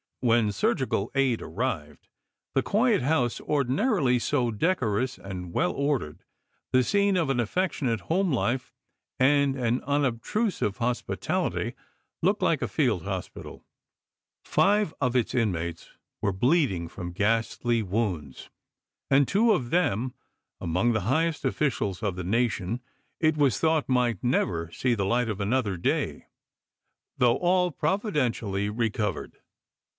When surgical aid arrived, the quiet house, ordinarily so decorous and well ordered, the scene of an affectionate home life and an unobtru sive hospitality, looked like a field hospital ; five of its inmates were bleeding from ghastly wounds, and two of them — among the highest officials of the nation — it was thought might never see the light of another day; though all providentially recovered.